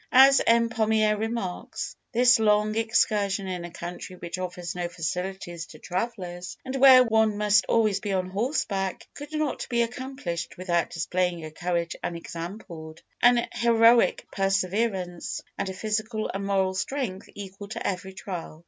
As M. Pommier remarks, this long excursion in a country which offers no facilities to travellers, and where one must always be on horseback, could not be accomplished without displaying a courage unexampled, an heroic perseverance, and a physical and moral strength equal to every trial.